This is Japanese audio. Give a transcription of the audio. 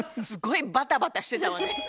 すごいバタバタしてたわね。